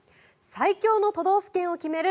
最強の都道府県を決める